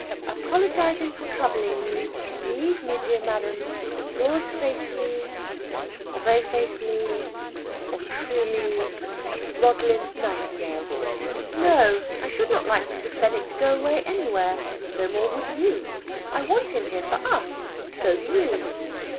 "Apologizing for troubling you, believe me, dear madam, yours faithfully or very faithfully, or truly Rosalind Nightingale.... No; I should not like Mr. Fenwick to go away anywhere. No more would you. I want him here, for us. So do you!"